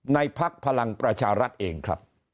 พักพลังประชารัฐเองครับ